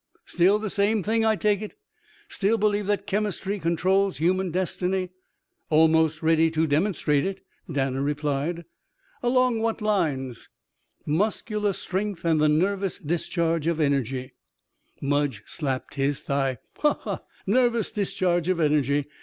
Still the same thing, I take it? Still believe that chemistry controls human destiny?" "Almost ready to demonstrate it," Danner replied. "Along what lines?" "Muscular strength and the nervous discharge of energy." Mudge slapped his thigh. "Ho ho! Nervous discharge of energy.